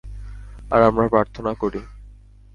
আর আমরা প্রার্থনা করি।